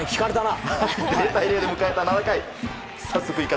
０対０で迎えた７回。